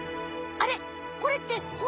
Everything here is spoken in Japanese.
あれこれって骨？